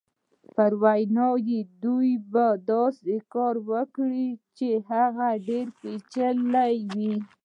په وینا یې دوی به یو داسې کار وکړي چې هغه ډېر پېچلی وي.